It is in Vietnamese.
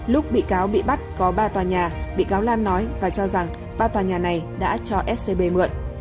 lúc bị cáo bị bắt có ba tòa nhà bị cáo lan nói và cho rằng ba tòa nhà này đã cho scb mượn